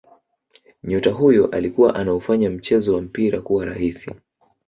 Nyota huyo alikuwa anaufanya mchezo wa mpira kuwa rahisi